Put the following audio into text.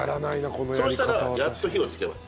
そうしたらやっと火をつけます。